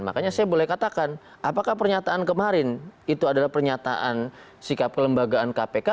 makanya saya boleh katakan apakah pernyataan kemarin itu adalah pernyataan sikap kelembagaan kpk